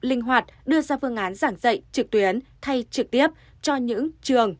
linh hoạt đưa ra phương án giảng dạy trực tuyến thay trực tiếp cho những trường